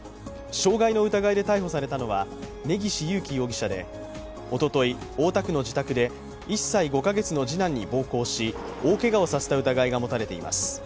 障害の疑いで逮捕されたのは根岸優貴容疑者でおととい、大田区の自宅で１歳５カ月の次男に暴行し、大けがをさせた疑いが持たれています。